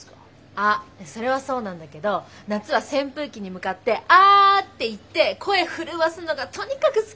あそれはそうなんだけど夏は扇風機に向かって「あ」って言って声震わすのがとにかく好きだったな。